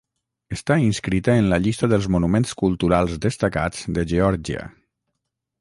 Està inscrita en la llista dels Monuments Culturals destacats de Geòrgia.